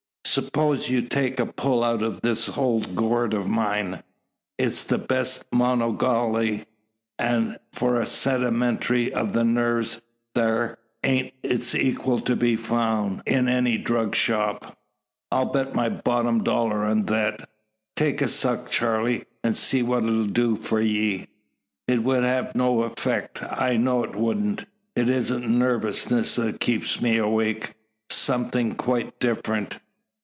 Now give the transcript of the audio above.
S'pose ye take a pull out o' this ole gourd o' myen. It's the best Monongaheely, an' for a seedimentary o' the narves thar ain't it's eequal to be foun' in any drug shop. I'll bet my bottom dollar on thet. Take a suck, Charley, and see what it'll do for ye." "It would have no effect. I know it wouldn't. It isn't nervousness that keeps me awake something quite different."